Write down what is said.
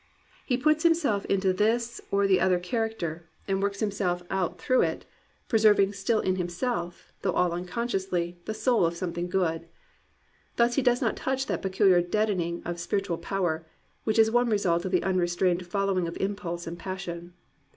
He puts himself into this or the other character, and works himself ^2 '*GLORY OF THE IMPERFECT" out through it, preserving still in himself, though all unconsciously, the soul of something good. Thus he does not touch that peculiar deadening of spiri tual power which is one result of the unrestrained following of impulse and passion.